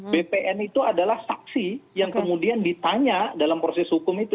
bpn itu adalah saksi yang kemudian ditanya dalam proses hukum itu